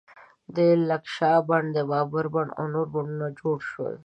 د لکشا بڼ، د بابر بڼ او نور بڼونه جوړ شول.